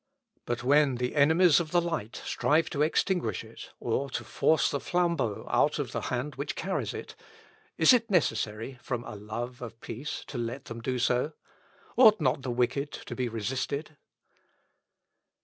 But when the enemies of the light strive to extinguish it, or to force the flambeau out of the hand which carries it is it necessary, from a love of peace, to let them do so? ought not the wicked to be resisted?